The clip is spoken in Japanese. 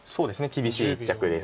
厳しい一着です。